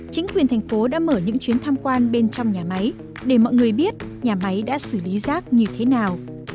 chính quyền thành phố đã mở những chuyến tham quan bên trong nhà máy để mọi người biết nhà máy đã xử lý rác như thế nào